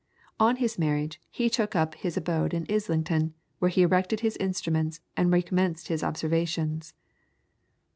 On his marriage, he took up his abode in Islington, where he erected his instruments and recommenced his observations.